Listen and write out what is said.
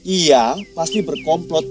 ia pasti berkomplot